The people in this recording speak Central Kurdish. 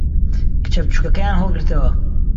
کچە بچووکەکەیان ھەڵگرتەوە.